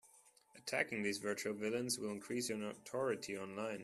Attacking these virtual villains will increase your notoriety online.